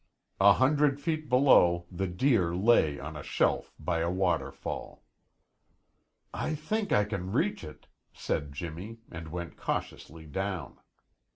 A hundred feet below, the deer lay on a shelf by a waterfall. "I think I can reach it," said Jimmy, and went cautiously down.